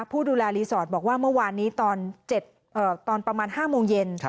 ผู้ดูแลรีสอร์ทบอกว่าเมื่อวานนี้ตอนประมาณ๕โมงเย็น